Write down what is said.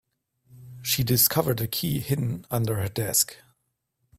She discovered a key hidden under her desk.